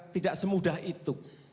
tidak semudah itu